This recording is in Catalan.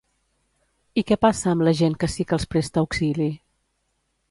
I què passa amb la gent que sí que els presta auxili?